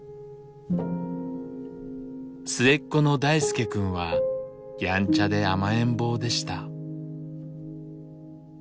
末っ子の大輔くんはやんちゃで甘えん坊でした。